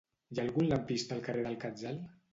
Hi ha algun lampista al carrer del Quetzal?